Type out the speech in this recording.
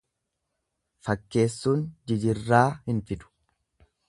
Fakkeessuun jijirraa hin fidu.